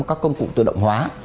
các công cụ tự động hóa